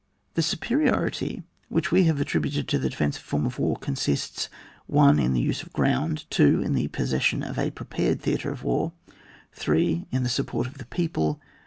The superiority which we have attri buted to the defensive form of war consists :— 1. In the use of g^oimd. 2. In the possession of a prepared theatre of war. 3. In the support of the people.